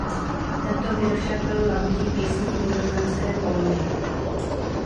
Tento mír však byl labutí písní nizozemské kolonie.